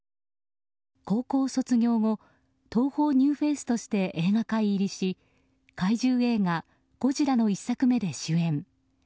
高校卒業後東宝ニューフェイスとして映画界入りし怪獣映画「ゴジラ」の１作目で主演。